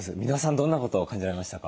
どんなことを感じられましたか？